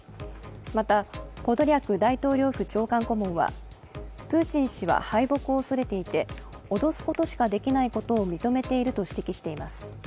また、ポドリャク大統領府長官顧問はプーチン氏は敗北を恐れていて脅すことしかできないことを認めていると指摘しています。